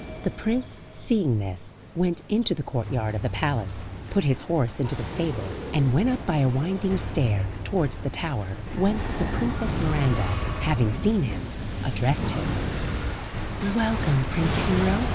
The prince, seeing this, went into the courtyard of the palace, put his horse into the stable, and went up by a winding stair, towards the tower, whence the Princess Miranda, having seen him, addressed him: "Welcome, Prince Hero!